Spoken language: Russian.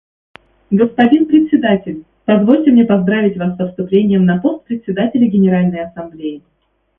Господин Председатель, позвольте мне поздравить Вас со вступлением на пост Председателя Генеральной Ассамблеи.